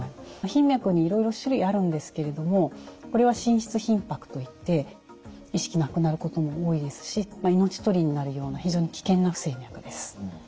頻脈にいろいろ種類あるんですけれどもこれは心室頻拍といって意識なくなることも多いですし命取りになるような非常に危険な不整脈です。